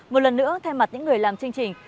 một lần nữa thay mặt những người làm chương trình